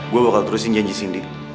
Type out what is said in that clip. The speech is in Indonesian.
gue bakal terusin janji cindy